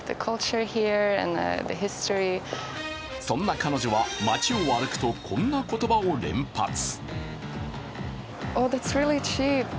そんな彼女は、街を歩くとこんな言葉を連発。